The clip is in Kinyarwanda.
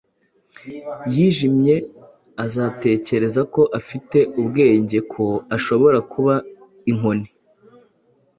yijimye azatekereza ko afite ubwenge ko ashobora kuba inkoni.